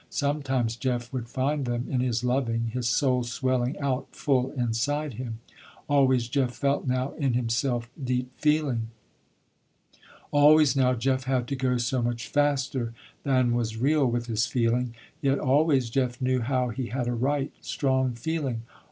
Sometimes Jeff would find them, in his loving, his soul swelling out full inside him. Always Jeff felt now in himself, deep feeling. Always now Jeff had to go so much faster than was real with his feeling. Yet always Jeff knew how he had a right, strong feeling.